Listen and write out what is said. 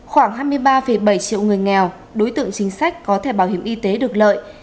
khoảng hai mươi ba bảy triệu người nghèo đối tượng chính sách có thể bảo hiểm y tế được lợi